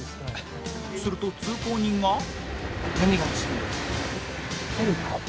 すると通行人が